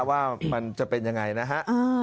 ว่ามันจะเป็นยังไงนะฮะ